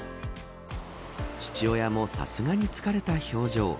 父親もさすがに疲れた表情。